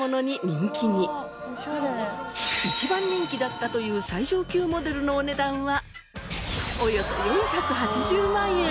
一番人気だったという最上級モデルのお値段はおよそ４８０万円。